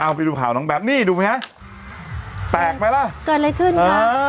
เอาไปดูข่าวน้องแป๊บนี่ดูไหมฮะแตกไหมล่ะเกิดอะไรขึ้นคะ